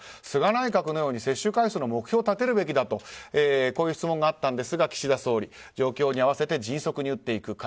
菅内閣のように接種回数の目標を立てるべきだというこういう質問があったんですが岸田総理状況に合わせて迅速に打っていく。